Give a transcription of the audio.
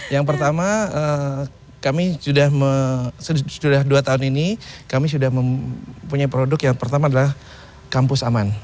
yang pertama kami sudah dua tahun ini kami sudah mempunyai produk yang pertama adalah kampus aman